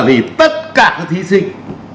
vì tất cả các thí sinh